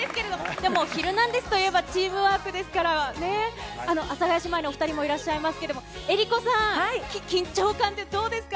でもヒルナンデス！といえばチームワークですから、阿佐ヶ谷姉妹のお２人もいらっしゃいますけれども、江里子さん、緊張感ってどうですか？